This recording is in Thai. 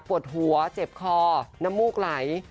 ปวดหัวเจ็บคอน้ำมูกไหล